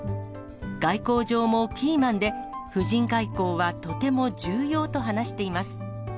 外交上もキーマンで、夫人外交はとても重要と話しています。